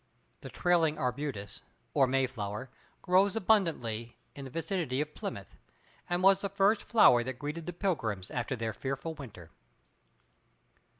(The trailing arbutus, or Mayflower, grows abundantly in the vicinity of Plymouth, and was the first flower that greeted the Pilgrims after their fearful winter.)